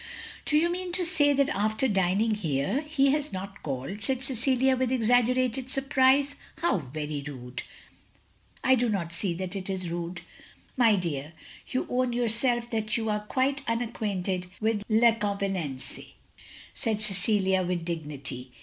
"Do you mean to say that aftefr dining here, he has not called!" said Cecilia with exaggerated surprise. " How very rude. " "I do not see that it is rude." OF GROSVENOR SQUARE 239 "My dear! you own yourself that you are quite unacquainted with les convenances/* said Cecilia, with dignity.